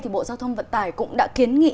thì bộ giao thông vận tải cũng đã kiến nghị